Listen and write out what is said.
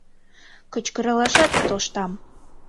Кычкыралашат тоштам.